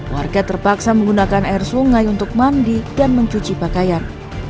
warga terpaksa menggunakan air sungai untuk mandi dan mencuci pakaian